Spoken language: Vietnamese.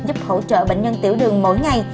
giúp hỗ trợ bệnh nhân tiểu đường mỗi ngày